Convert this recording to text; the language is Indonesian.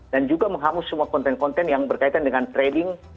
dan juga menghamus semua konten konten yang berkaitan dengan trading